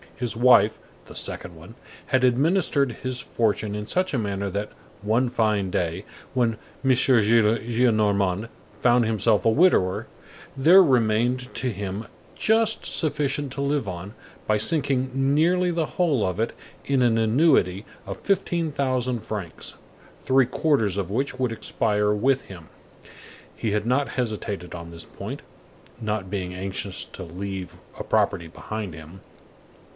His wife—the second one—had administered his fortune in such a manner that, one fine day, when M. Gillenormand found himself a widower, there remained to him just sufficient to live on, by sinking nearly the whole of it in an annuity of fifteen thousand francs, three quarters of which would expire with him. He had not hesitated on this point, not being anxious to leave a property behind him.